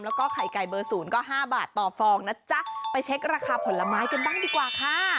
แล้วก็ไข่ไก่เบอร์ศูนย์ก็ห้าบาทต่อฟองนะจ๊ะไปเช็คราคาผลไม้กันบ้างดีกว่าค่ะ